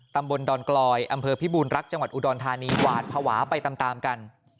ตำบลดอนกลอยอำเภอพิบูรรักจังหวัดอุดรธานีหวาดภาวะไปตามกัน